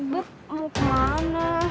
beb mau kemana